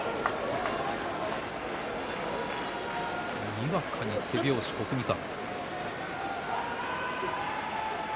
にわかに手拍子の国技館。